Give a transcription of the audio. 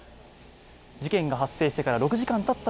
事件が発生してから６時間たった